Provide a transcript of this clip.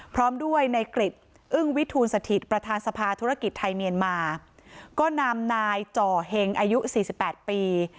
พร้อมด้วยนายกริจอึ้งวิทูลสถิตประธานสภาธุรกิจไทยเมียนมาก็นำนายจ่อเห็งอายุสี่สิบแปดปี